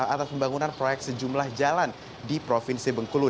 atas pembangunan proyek sejumlah jalan di provinsi bengkulu